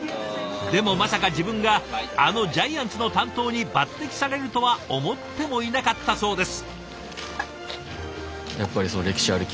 でもまさか自分があのジャイアンツの担当に抜てきされるとは思ってもいなかったそうです。